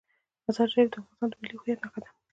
مزارشریف د افغانستان د ملي هویت نښه ده.